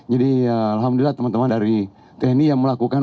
jadi alhamdulillah teman teman dari tni yang melakukan